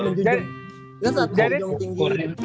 enggak saat hujung tinggi